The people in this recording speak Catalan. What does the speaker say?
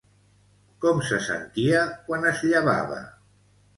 Com se sentia quan es llevava?